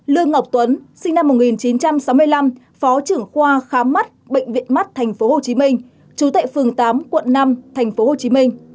lương ngọc tuấn sinh năm một nghìn chín trăm sáu mươi năm phó trưởng khoa khám mắt bệnh viện mắt tp hcm trú tại phường tám quận năm tp hcm